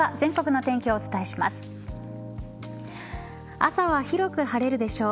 朝は広く晴れるでしょう。